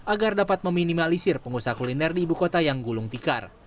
agar dapat meminimalisir pengusaha kuliner di ibu kota yang gulung tikar